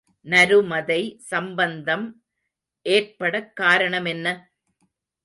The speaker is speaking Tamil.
நருமதை சம்பந்தம் ஏற்படக் காரணமென்ன?